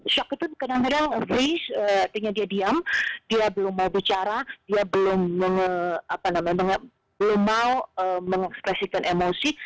shock itu kadang kadang free artinya dia diam dia belum mau bicara dia belum mau mengekspresikan emosi